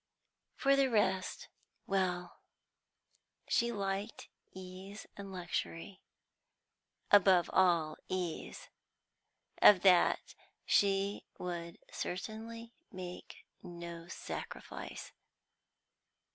For the rest well, she liked ease and luxury; above all, ease. Of that she would certainly make no sacrifice.